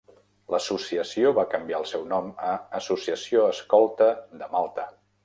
L'associació va canviar el seu nom a Associació escolta de Malta.